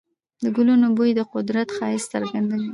د ګلونو بوی د قدرت ښایست څرګندوي.